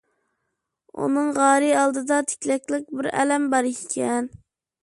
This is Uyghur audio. ئۇنىڭ غارى ئالدىدا تىكلەكلىك بىر ئەلەم بار ئىكەن.